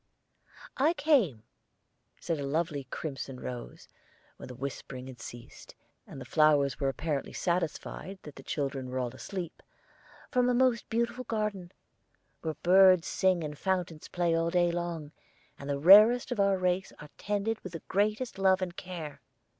"I came," said a lovely crimson rose, when the whispering had ceased, and the flowers were apparently satisfied that the children were all asleep, "from a most beautiful garden, where birds sing and fountains play all day long, and the rarest of our race are tended with the greatest love and care."